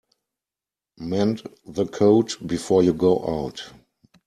Mend the coat before you go out.